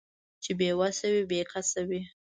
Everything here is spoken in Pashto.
چې بې وسه وي بې کسه وي